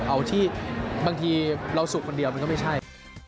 เอาที่บางทีเราสุขคนเดียวมันก็ไม่ใช่